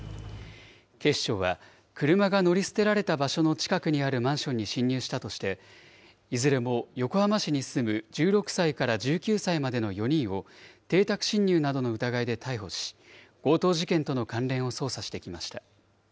警視庁は、車が乗り捨てられた場所の近くにあるマンションに侵入したとして、いずれも横浜市に住む１６歳から１９歳までの４人を邸宅侵入などの疑いで逮捕し、強盗事件との関連を捜査してきました。